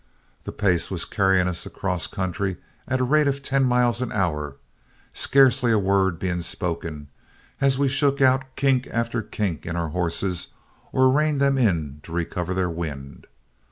The pace was carrying us across country at a rate of ten miles an hour, scarcely a word being spoken, as we shook out kink after kink in our horses or reined them in to recover their wind.